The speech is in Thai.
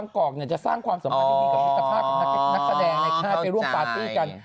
ในค่าไปร่วมปาร์ตี้กัน